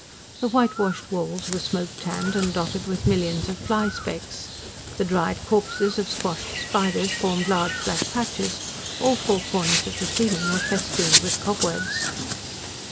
The whitewashed walls were smoke tanned and dotted with millions of fly specks; the dried corpses of squashed spiders formed large black patches; all four corners of the ceiling were festooned with cobwebs.